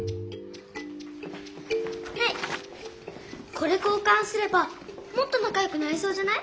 これ交かんすればもっとなかよくなれそうじゃない？